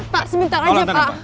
pak sebentar aja pak